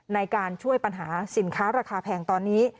ในการช่วยปัญหาสินค้าราคาแพงตอนนี้